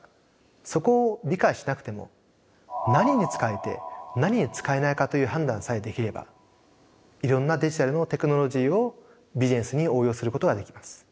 そこを理解しなくても何に使えて何に使えないかという判断さえできればいろんなデジタルのテクノロジーをビジネスに応用することができます。